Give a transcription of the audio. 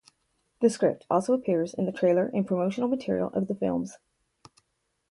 The script also appears in the trailer and promotional material of the films.